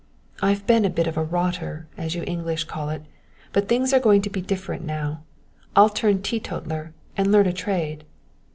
I've been a bit of a 'rotter' as you English call it, but things are going to be different now. I'll turn teetotaler and learn a trade."